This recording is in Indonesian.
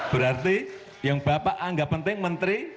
berarti yang bapak anggap penting menteri